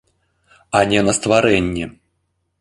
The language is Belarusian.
А не на стварэнне.